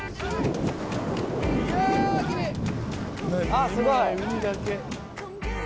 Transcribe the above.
あっすごい！